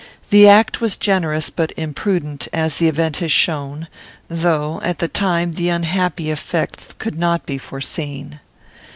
The act was generous but imprudent, as the event has shown; though, at the time, the unhappy effects could not be foreseen.